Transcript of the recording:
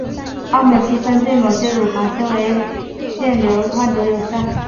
奥美昔芬对某些乳房纤维腺瘤患者有效。